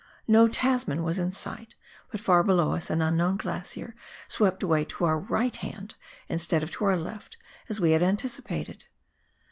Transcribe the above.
No Tasman was in sight, but far below us an unknown glacier swept away to our right hand instead of to our left as we had anticipated.